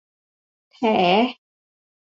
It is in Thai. แถ